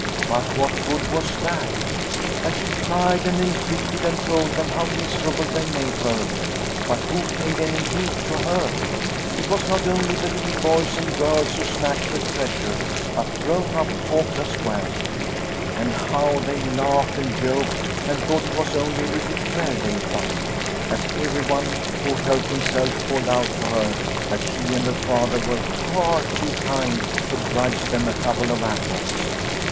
But what good was that ? And she cried and entreated and told them how miserable they made her, but who paid any heed to her ? It was not only the little boys and girls who snatched her treasure, but grown up folk as well. And how 78 Liliecrona's Home they laughed and joked and thought it was only a little fair day fun, as everyone who helped himself called out to her that she and her Father were far too kind to grudge them a couple of apples.